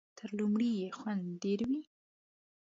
تر لومړي یې خوند ډېر وي .